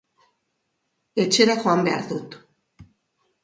Etxera joan behar dut.